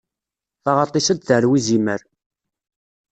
Taɣaṭ-is ad d-tarew izimer.